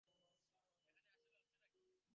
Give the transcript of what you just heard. এখানে আসলে হচ্ছেটা কি?